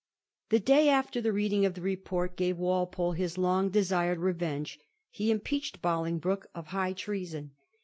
The day after the reading of the report gave Walpole his long desired revenge : he impeached Bolingbroke of high treason.